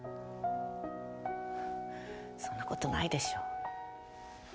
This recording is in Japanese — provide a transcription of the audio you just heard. そんな事ないでしょう。